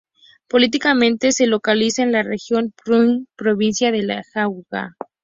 Políticamente se localiza en la región Junín, provincia de Jauja.